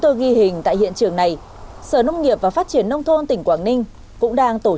tôi ghi hình tại hiện trường này sở nông nghiệp và phát triển nông thôn tỉnh quảng ninh đã đặt tên là